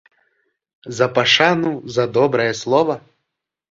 За пашану, за добрае слова?